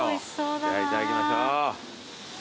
じゃあいただきましょう。